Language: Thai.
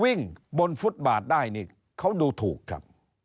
วิ่งบนฟุตบาทได้นี่เขาดูถูกครับ